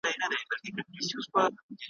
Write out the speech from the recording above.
ته به کور سې د تورمخو ځالګیو ,